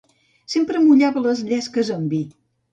Sempre mullava les llesques amb vi.